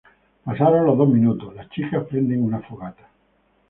Pasados los dos minutos, las chicas prenden una fogata.